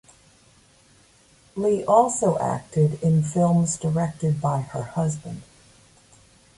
Lee also acted in films directed by her husband.